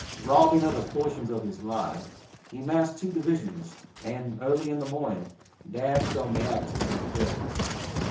Robbing other portions of his line, he massed two divisions, and early in the morning dashed on the abattis of the Federals.